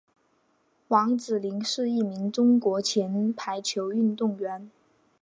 王子凌是一名中国前排球运动员。